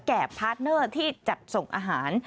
พาร์ทเนอร์ที่จัดส่งอาหาร